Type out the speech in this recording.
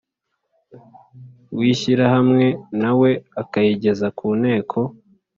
w Ishyirahamwe na we akayigeza ku Nteko